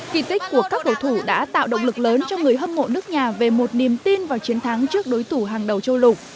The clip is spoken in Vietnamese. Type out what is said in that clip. kỳ tích của các cầu thủ đã tạo động lực lớn cho người hâm mộ nước nhà về một niềm tin vào chiến thắng trước đối thủ hàng đầu châu lục